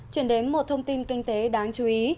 chuyển đến một thông tin kinh tế đáng chú ý